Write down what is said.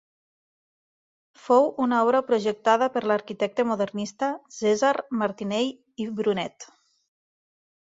Fou una obra projectada per l'arquitecte modernista Cèsar Martinell i Brunet.